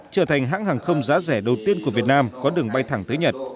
trở thành hãng hàng không giá rẻ đầu tiên của việt nam có đường bay thẳng tới nhật